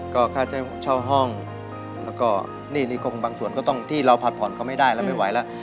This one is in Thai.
ก็ค่าใช้เช่าห้องแล้วก็หนี้นี่ก็คงบางส่วนก็ต้องที่เราผัดผ่อนก็ไม่ได้แล้วไม่ไหวแล้ว